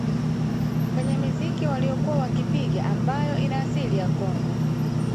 Kwenye miziki waliyokuwa wakipiga ambayo ina asili ya Congo